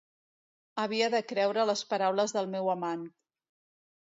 Havia de creure les paraules del meu amant.